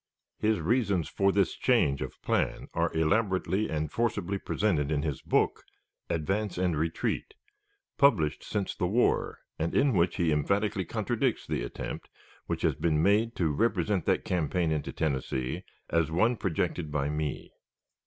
His reasons for this change of plan are elaborately and forcibly presented in his book, "Advance and Retreat," published since the war, and in which he emphatically contradicts the attempt which has been made to represent that campaign into Tennessee as one projected by me.